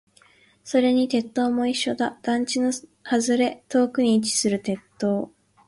それに鉄塔も一緒だ。団地の外れ、遠くに位置する鉄塔。